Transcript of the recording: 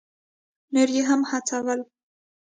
نور یې هم هڅول.